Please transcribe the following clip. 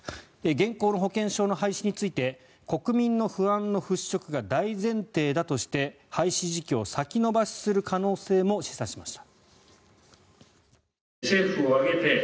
現行の保険証の廃止について国民の不安の払しょくが大前提だとして廃止時期を先延ばしする可能性も示唆しました。